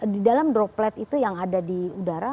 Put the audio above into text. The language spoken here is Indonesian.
di dalam droplet itu yang ada di udara